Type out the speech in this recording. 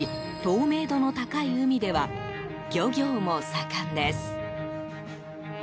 東シナ海に面し透明度の高い海では漁業も盛んです。